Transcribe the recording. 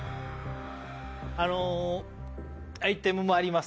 あのアイテムもあります